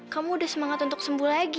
kamu udah semangat untuk sembuh lagi